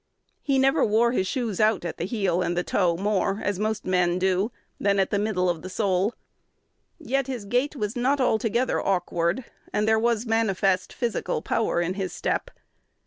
He never wore his shoes out at the heel and the toe more, as most men do, than at the middle of the sole; yet his gait was not altogether awkward, and there was manifest physical power in his step.